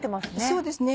そうですね。